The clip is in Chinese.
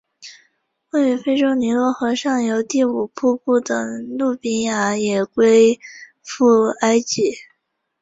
位于非洲尼罗河上游第五瀑布的努比亚也归附埃及。